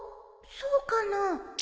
そうかな